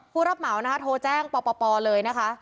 ผู้รับเหมาโทรแจ้งปปเลยนะคะ